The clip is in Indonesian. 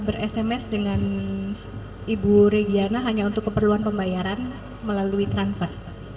beresms dengan ibu regiana hanya untuk keperluan pembayaran melalui transfer